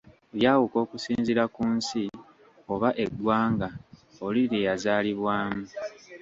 Byawuka okusinziira ku nsi oba eggwanga oli lye yazaalibwamu.